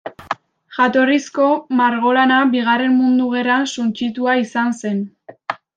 Jatorrizko margolana Bigarren Mundu Gerran suntsitua izan zen.